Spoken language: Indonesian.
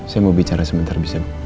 saya mau bicara sebentar bisa